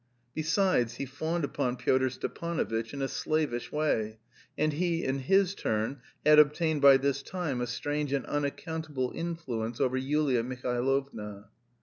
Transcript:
Besides he fawned upon Pyotr Stepanovitch in a slavish way, and he, in his turn, had obtained by this time a strange and unaccountable influence over Yulia Mihailovna.